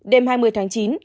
đêm hai mươi tháng chín